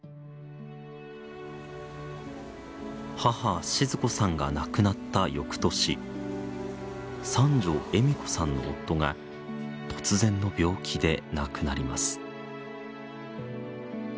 母静子さんが亡くなった翌年三女恵美子さんの夫が突然の病気で亡くなります。